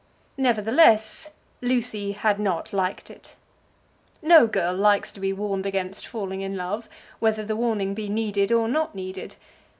Nevertheless, Lucy had not liked it. No girl likes to be warned against falling in love, whether the warning be needed or not needed.